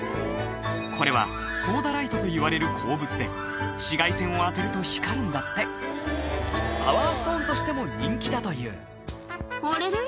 これはソーダライトといわれる鉱物で紫外線を当てると光るんだってパワーストーンとしても人気だというあれれ？